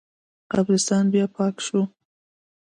قبرستان بیا پاک شو.